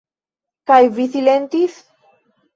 Kaj vi silentis?